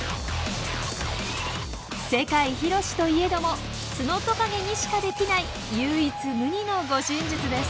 世界広しといえどもツノトカゲにしかできない唯一無二の護身術です。